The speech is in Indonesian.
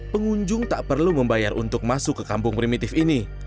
pengunjung tak perlu membayar untuk masuk ke kampung primitif ini